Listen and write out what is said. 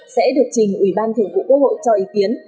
sẽ được trình ubth cho ý kiến